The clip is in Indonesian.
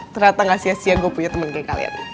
ternyata gak sia sia gue punya temen kayak kalian